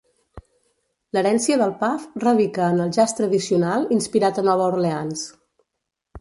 L'herència del pub radica en el jazz tradicional inspirat a Nova Orleans.